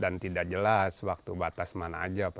dan tidak jelas waktu batas masyarakat baduy itu